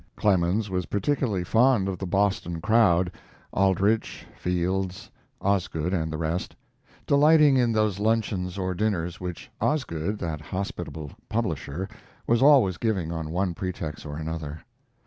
Clemens was particularly fond of the Boston crowd Aldrich, Fields, Osgood, and the rest delighting in those luncheons or dinners which Osgood, that hospitable publisher, was always giving on one pretext or another.